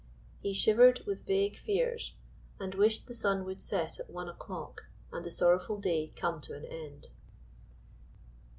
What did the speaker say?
He shivered with vague fears, and wished the sun would set at one o'clock and the sorrowful day come to an end.